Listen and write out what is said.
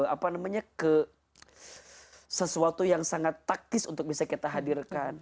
apa namanya ke sesuatu yang sangat taktis untuk bisa kita hadirkan